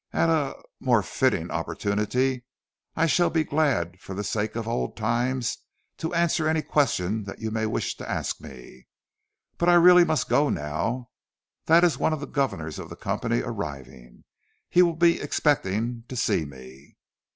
At er a more fitting opportunity I shall be glad for the sake of old times, to answer any question that you may wish to ask me. But I really must go now. That is one of the governors of the company arriving. He will be expecting to see me!"